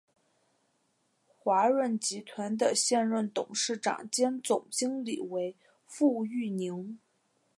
华润集团的现任董事长兼总经理为傅育宁。